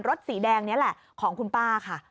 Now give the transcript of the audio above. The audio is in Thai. สีแดงนี้แหละของคุณป้าค่ะ